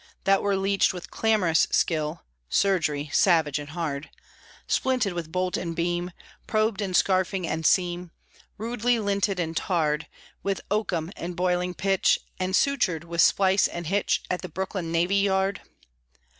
That were leeched with clamorous skill (Surgery savage and hard), Splinted with bolt and beam, Probed in scarfing and seam, Rudely linted and tarred With oakum and boiling pitch, And sutured with splice and hitch, At the Brooklyn Navy Yard!